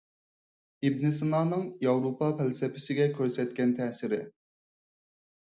ئىبن سىنانىڭ ياۋروپا پەلسەپىسىگە كۆرسەتكەن تەسىرى.